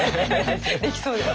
できそうです。